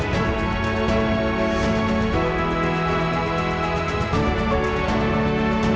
kami akan mencoba untuk membangun hidup kita sendiri